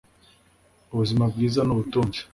ubuzima bwiza ni ubutunzi